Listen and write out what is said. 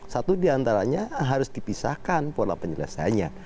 satu diantaranya harus dipisahkan pola penyelesaiannya